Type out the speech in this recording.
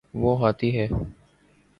وہ ہاتھی ہے